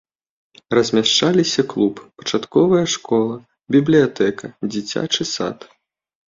Размяшчаліся клуб, пачатковая школа, бібліятэка, дзіцячы сад.